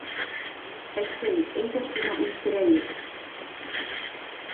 Әсәй... әйҙә шуны... үлтерәйек!